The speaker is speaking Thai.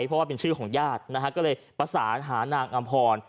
เพราะว่าเป็นชื่อของญาตินะฮะก็เลยประสานหานางอำพร